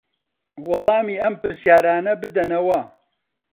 وەڵامی ئەم پرسیارانە بدەنەوە